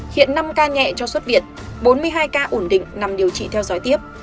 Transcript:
hiện năm ca nhẹ cho xuất viện bốn mươi hai ca ổn định nằm điều trị theo dõi tiếp